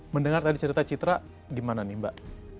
mendengar tadi cerita citra gimana nih mbak